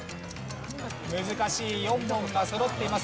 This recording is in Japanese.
難しい４問がそろっています。